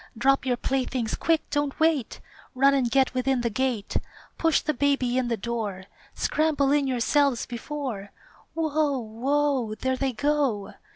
Drop your playthings! Quick! don't wait! Run and get within the gate! Push the baby in the door, Scramble in yourselves before Whoa! Whoa! There they go!